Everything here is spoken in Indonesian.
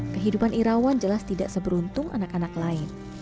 kehidupan irawan jelas tidak seberuntung anak anak lain